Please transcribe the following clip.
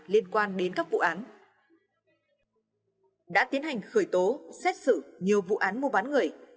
liên quan đến các vụ án đã tiến hành khởi tố xét xử nhiều vụ án mua bán người